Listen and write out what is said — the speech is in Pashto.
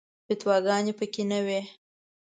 فتواګانې په کې نه وي.